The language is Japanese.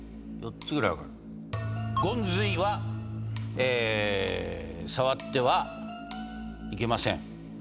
ゴンズイは触ってはいけません。